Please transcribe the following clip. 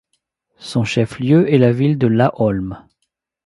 Son chef-lieu est la ville de Laholm.